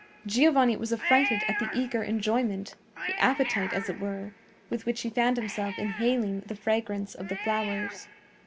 Giovanni was affrighted at the eager enjoyment—the appetite, as it were—with which he found himself inhaling the fragrance of the flowers.